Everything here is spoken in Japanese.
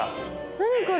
何これ。